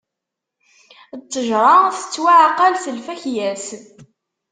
Ttejṛa tettwaɛqal s lfakya-s.